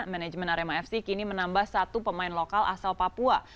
manajemen arema fc kini menambah satu pemain lokal asal papua